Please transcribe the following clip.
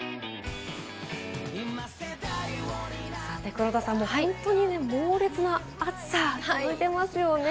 黒田さん、もう本当に猛烈な暑さが続いていますよね。